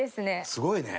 すごいね！